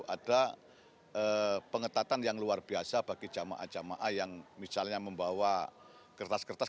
ada pengetatan yang luar biasa bagi jamaah jamaah yang misalnya membawa kertas kertas